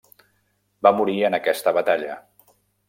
Va morir en aquesta batalla.